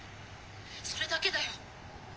それだけだよ」。